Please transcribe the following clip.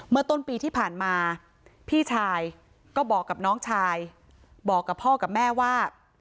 ต้นปีที่ผ่านมาพี่ชายก็บอกกับน้องชายบอกกับพ่อกับแม่ว่า